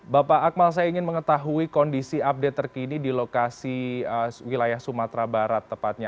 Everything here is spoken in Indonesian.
bapak akmal saya ingin mengetahui kondisi update terkini di lokasi wilayah sumatera barat tepatnya